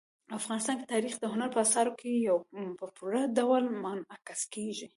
افغانستان کې تاریخ د هنر په اثارو کې په پوره ډول منعکس کېږي.